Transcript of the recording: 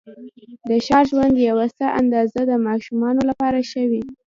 د ښار ژوند یوه څه اندازه د ماشومانو لپاره ښه وې.